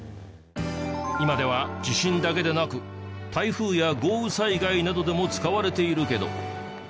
今では地震だけでなく台風や豪雨災害などでも使われているけど。